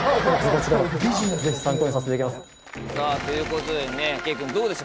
さぁということでね圭君どうでした？